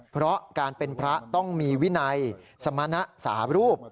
เพราะการเป็นพระต้องมีวินัยสมณะสารูป